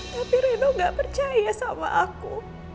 tapi reno tidak percaya sama aku